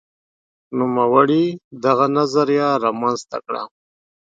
نوموړي دغه نظریه رامنځته کړه.